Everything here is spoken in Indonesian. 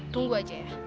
tunggu aja ya